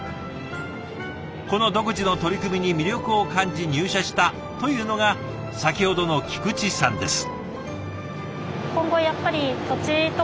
この独自の取り組みに魅力を感じ入社したというのが先ほどの菊池さんです。